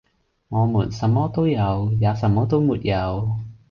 我們什麼都有，也什麼都沒有，